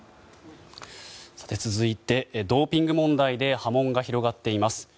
続いて、ドーピング問題で波紋が広がっています